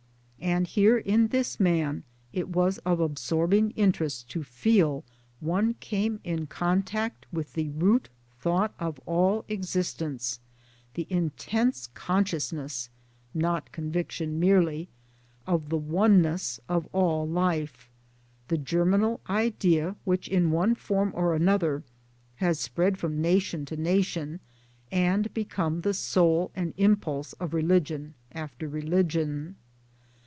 And here in this man it was of absorb ing 1 interest to feel one came in contact with the root thought of all existence the intense conscious ness (not conviction merely) of the oneness of all life the germinal idea which in one form or another has spread from nation to nation, and become the soul and impulse of religion after religion.